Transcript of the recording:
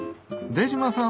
出島荘さん。